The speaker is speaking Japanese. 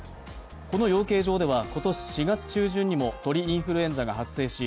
この養鶏場では今年４月中旬にも鳥インフルエンザが発生し